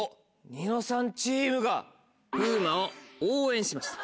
『ニノさん』チームが風磨を応援しました。